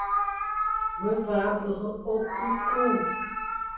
Ve vagha bere okukur,